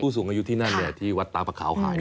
สูงอายุที่นั่นที่วัดตาปะขาวขาย